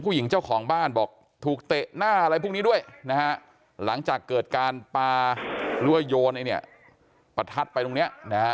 ผู้หญิงเจ้าของบ้านบอกถูกเตะหน้าอะไรพรุ่งนี้ด้วยหลังจากเกิดการปลารั่วยโยนประทัดไปตรงนี้